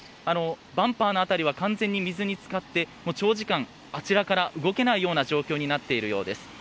バンパーの辺りは水に浸かって長時間あちらから動けないような状況になっているようです。